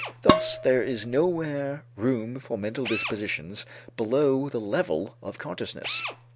Thus there is nowhere room for mental dispositions below the level of consciousness.